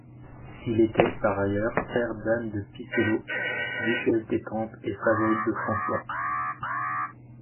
Il était, par ailleurs frère d'Anne de Pisseleu, duchesse d'Étampes, et favorite de Francois.